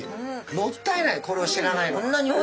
もったいないこれを知らないのは。